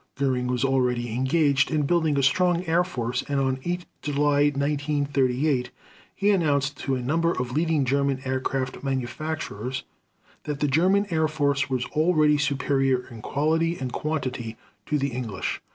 Göring was already engaged in building a strong air force and on 8 July 1938 he announced to a number of leading German aircraft manufacturers that the German Air Force was already superior in quality and quantity to the English.